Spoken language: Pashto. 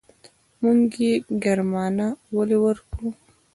موږ يې ګرمانه ولې ورکړو.